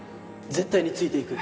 絶対についていく！